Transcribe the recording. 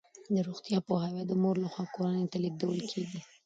د روغتیا پوهاوی د مور لخوا کورنۍ ته لیږدول کیږي.